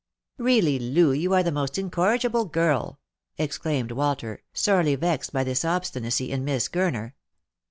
" Eeally, Loo, you are the most incorrigible girl !" exclaimed Walter, sorely vexed by this obstinacy in Miss Gurner.